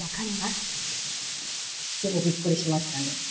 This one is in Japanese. すごくびっくりしましたね。